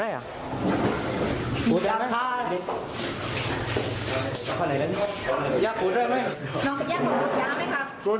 ตัวพูดให้จ้อสดใจออกมาไหน